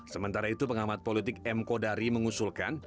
sementara itu pengamat politik m kodari mengusulkan